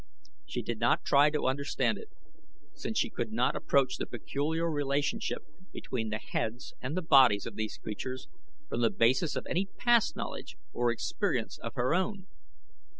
She did not try to understand it, since she could not approach the peculiar relationship between the heads and the bodies of these creatures from the basis of any past knowledge or experience of her own.